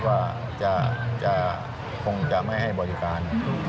ว่าคงจะไม่ให้บริการ